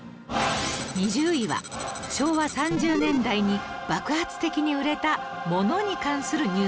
２０位は昭和３０年代に爆発的に売れたものに関するニュースです